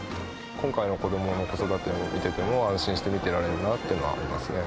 今回の子どもの子育てを見ていても、安心して見てられるなというのはありますね。